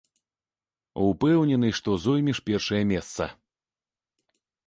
Упэўнены, што зоймеш першае месца.